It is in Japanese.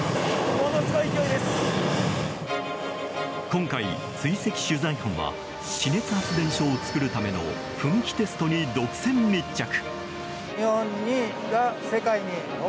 今回、追跡取材班は地熱発電所を作るための噴気テストに独占密着。